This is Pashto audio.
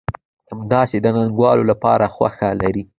همداسې د ننګولو لپاره خوښه لرئ.